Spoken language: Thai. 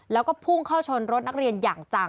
แล้วก็พุ่งเข้าชนรถนักเรียนอย่างจัง